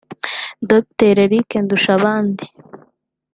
Dr Eric Ndushabandi